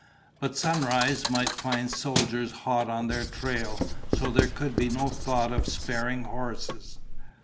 But sunrise might find soldiers hot on their trail, so there could be no thought of sparing horses.